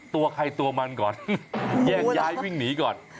ตัวใครตัวมันก่อนแยกย้ายวิ่งหนีก่อน